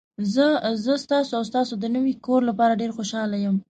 زه ستاسو او ستاسو د نوي کور لپاره ډیر خوشحاله یم.